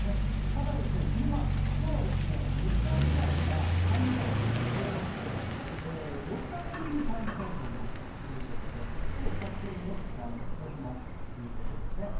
ただ昼間、今日は日照時間が３時間を超えまして４日ぶりに３時間以上になったということでちょっと久しぶりに日差しもあったということです。